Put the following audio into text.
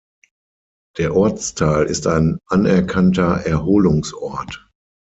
Der Ortsteil ist ein anerkannter Erholungsort.